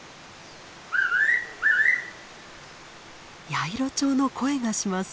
ヤイロチョウの声がします。